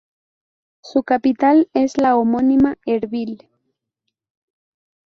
Su capital es la homónima Erbil.